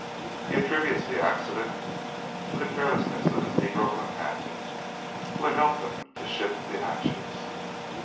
He attributes the accident to the carelessness of his negro companion, who had helped him to shift the hatches.